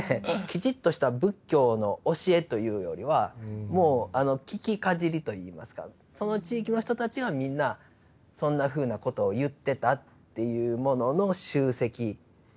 きちっとした仏教の教えというよりはもうあの聞きかじりといいますかその地域の人たちはみんなそんなふうなことを言ってたっていうものの集積ですよね。